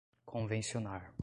convencionar